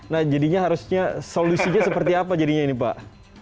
nah jadinya harusnya solusinya seperti apa jadinya ini pak